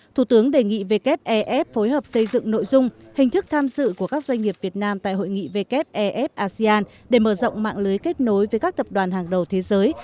thủ tướng đề nghị wef phối hợp xây dựng nội dung hình thức tham dự của các doanh nghiệp việt nam tại hội nghị wef asean để mở rộng mạng lưới kết nối với các tập đoàn hàng đầu thế giới